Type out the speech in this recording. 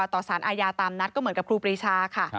ต่อสารอาญาตามนัดก็เหมือนกับครูปรีชาค่ะ